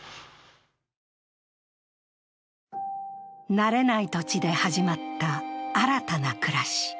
慣れない土地で始まった新たな暮らし。